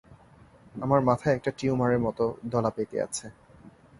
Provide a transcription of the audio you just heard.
আমার মাথায় একটা টিউমারের মত দলা পেকে আছে।